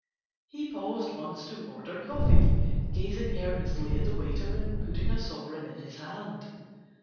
He paused once to order coffee, gazing earnestly at the waiter and putting a sovereign in his hand.